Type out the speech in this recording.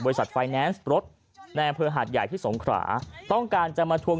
บริษัทไฟแนนซ์รถในแอมพลังหาดใหญ่ที่สงขราต้องการจะมาทวง